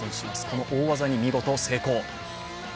この大技に見事成功。